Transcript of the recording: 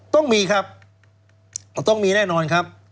ต้องมีครับต้องมีแน่นอนครับ